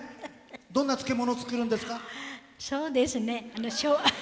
どんな漬物を作るんですか？